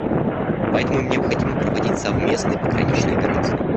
Поэтому им необходимо проводить совместные пограничные операции.